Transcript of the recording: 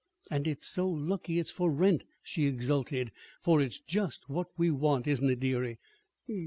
"And it's so lucky it's for rent," she exulted. "For it's just what we want, isn't it, dearie?"